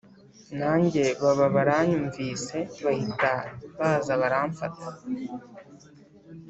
nanjye baba baranyumvise bahita baza baramfata